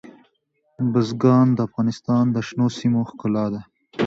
بزګان د افغانستان د شنو سیمو ښکلا ده.